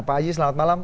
pak aji selamat malam